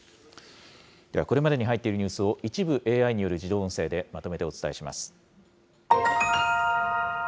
では、これまでに入っているニュースを一部ＡＩによる自動音声でまとめてお伝えします。